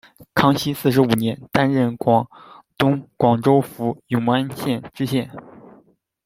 康熙四十五年，担任广东广州府永安县知县。